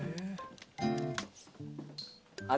あれ？